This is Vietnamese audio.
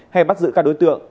hay bắt giữ các đối tượng